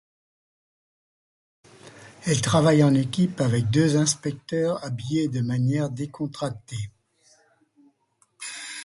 Elle travaille en équipe avec deux inspecteurs habillés de manière décontractée.